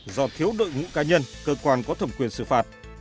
do thiếu đội ngũ ca nhân cơ quan có thẩm quyền xử phạt